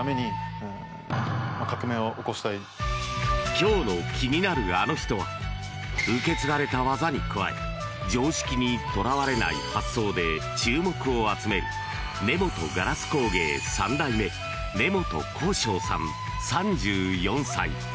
今日の気になるアノ人は受け継がれた技に加え常識にとらわれない発想で注目を集める根本硝子工芸３代目根本幸昇さん、３４歳。